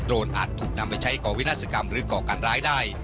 อาจถูกนำไปใช้ก่อวินาศกรรมหรือก่อการร้ายได้